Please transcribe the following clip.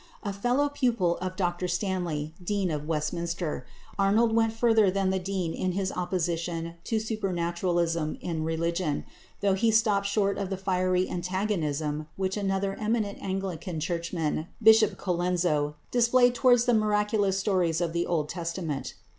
A fellow pupil of Dr Stanley, Dean of Westminster, Arnold went further than the Dean in his opposition to supernaturalism in religion, though he stopped short of the fiery antagonism which another eminent Anglican churchman, Bishop Colenso, displayed towards the miraculous stories of the Old Testament.